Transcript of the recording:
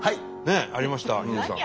ありました秀さん。